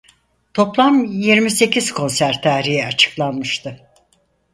Toplam yirmi sekiz konser tarihi açıklanmıştı.